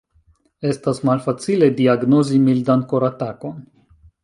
Estas malfacile diagnozi mildan koratakon.